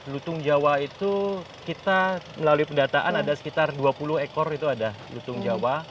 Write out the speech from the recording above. lutung jawa itu kita melalui pendataan ada sekitar dua puluh ekor itu ada lutung jawa